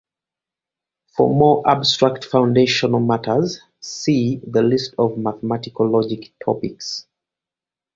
For more abstract foundational matters, see the list of mathematical logic topics.